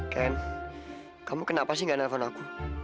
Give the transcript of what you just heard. ken kamu kenapa sih nggak nelfon aku